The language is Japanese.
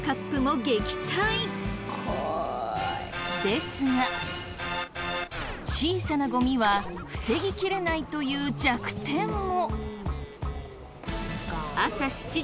ですが小さなゴミは防ぎ切れないという弱点も。